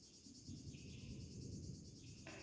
这两者都让千叶真一饰演柳生十兵卫的角色。